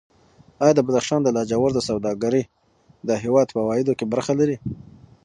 ایا د بدخشان د لاجوردو سوداګري د هېواد په عوایدو کې برخه لري؟